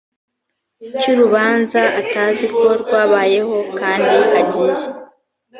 cy urubanza atazi ko rwabayeho kandi hagiye